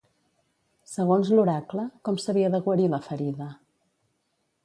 Segons l'oracle, com s'havia de guarir la ferida?